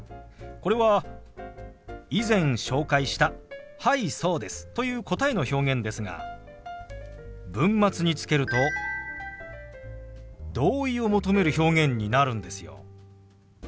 これは以前紹介した「はいそうです」という答えの表現ですが文末につけると同意を求める表現になるんですよ。